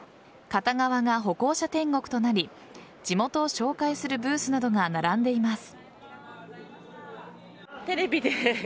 片側が歩行者天国となり地元を紹介するブースなどが並んでいます。